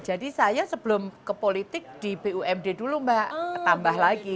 jadi saya sebelum ke politik di bumd dulu mbak tambah lagi